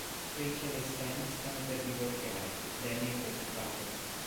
Rachel e Sten stanno per divorziare, Danny è preoccupato.